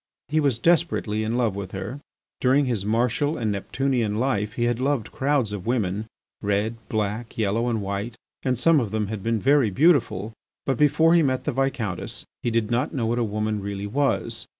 He was desperately in love with her. During his martial and neptunian life he had loved crowds of women, red, black, yellow, and white, and some of them had been very beautiful. But before he met the Viscountess he did not know what a woman really was.